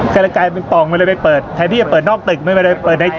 เกรดการเปิดปล่องแทนที่จะเปิด